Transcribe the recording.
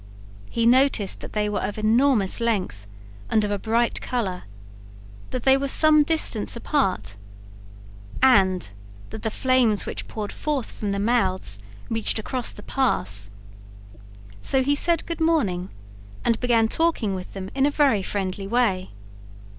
He noticed that they were of enormous length and of a bright color, that they were some distance apart, and that the flames which poured forth from the mouths reached across the pass, so he said good morning and began talking with them in a very friendly way.